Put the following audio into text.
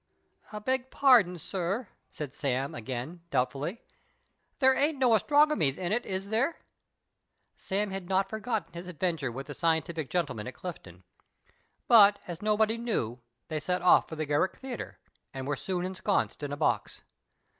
''" Beg pardon, sir," said Sam again, doubtfully, " there ain't no astrongomies in it, is there ?" Sara had not forgotten his adventure with the scientific gentleman at Clifton. But, as nobody knew, they 46 MR. PICKWICK AT THE PLAY set off for tlie Garrick Theatre, and were soon en sconced in a box.